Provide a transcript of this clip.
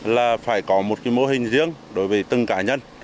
là phải có một cái mô hình riêng đối với từng cá nhân